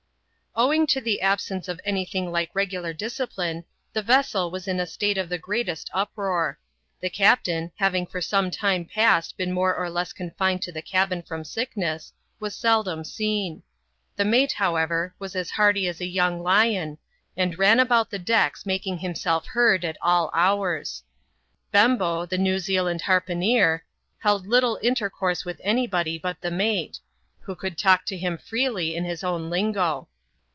Owing to the absence of any thing like regular discipline, the vessel was in a state of the greatest uproar. The captain, having for some time past been more or less confined to the cabin from sickness, was seldom seen. The mate, however, was as hearty as a young lion, and ran about the decks making himself heard at all hours. Bembo, the New Zealand har poneer, held little intercourse with any body but the mate, who could talk to him freely in his own lingo.